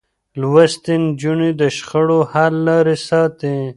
لوستې نجونې د شخړو حل لارې ساتي.